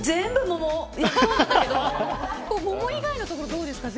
桃以外のところどうですか？